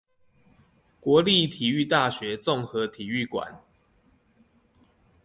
國立體育大學綜合體育館